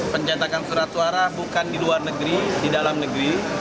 pencetakan surat suara bukan di luar negeri di dalam negeri